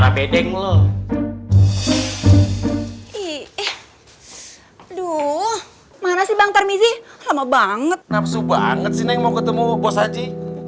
aduh mana sih bang termizi lama banget nafsu banget sih mau ketemu bos haji